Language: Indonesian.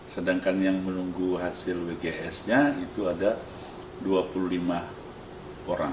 sedangkan yang menunggu hasil wgs nya itu ada dua puluh lima orang